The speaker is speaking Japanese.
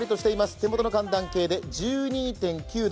手元の寒暖計で１２．９度。